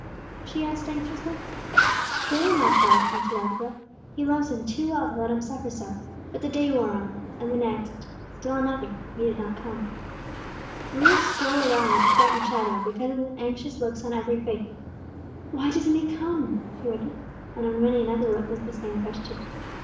she asked anxiously. "Surely, my child," answered Abigail. "He loves him too well to let him suffer so." But the day wore on, and the next; still another, and He did not come. Ruth stole around like a frightened shadow, because of the anxious looks on every face. "Why doesn't He come?" she wondered; and on many another lip was the same question.